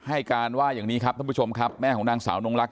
ให้การว่าอย่างนี้ครับท่านผู้ชมครับแม่ของนางสาวนงลักษ